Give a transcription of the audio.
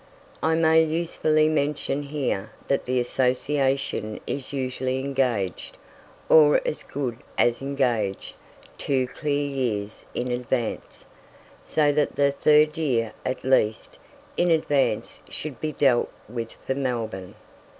I may usefully mention here that the Association is usually engaged, or as good as engaged, two clear years in advance, so that the third year, at least, in advance should be dealt with for Melbourne.